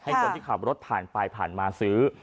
คนที่ขับรถผ่านไปผ่านมาซื้อ